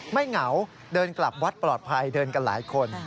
เหงาเดินกลับวัดปลอดภัยเดินกันหลายคน